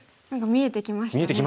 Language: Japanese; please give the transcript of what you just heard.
見えてきましたね。